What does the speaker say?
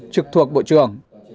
trực thuộc bộ trưởng